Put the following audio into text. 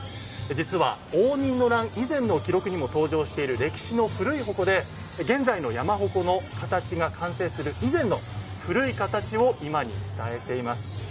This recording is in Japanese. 実は応仁の乱以前の記録にも登場している歴史の古い鉾で現在の山鉾の形が完成する以前の古い形を今に伝えています。